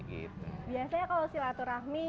biasanya kalau sila terami